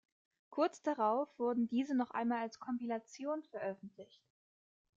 Kurz darauf wurden diese noch einmal als Kompilation veröffentlicht.